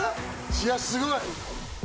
いやすごい！